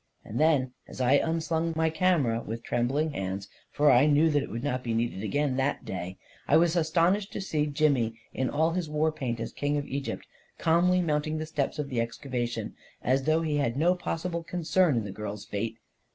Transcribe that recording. And then, as I unslung my camera with trembling hands — for I knew that it would not be needed again that day 1 — I was astonished to see Jimmy in all his war paint as King of Egypt, calmly mounting the steps out of the excavation, as though he had no possible concern in the girl's fate.